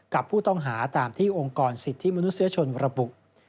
กับผู้ต้องหาตามที่องค์กรสิทธิมนุษยชนระบุ